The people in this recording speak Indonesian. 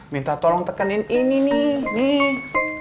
minta tolong tekanin ini nih